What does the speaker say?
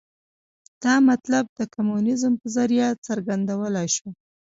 دا مطلب د کمونیزم په ذریعه څرګندولای شو.